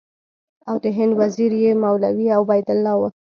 او د هند وزیر یې مولوي عبیدالله و.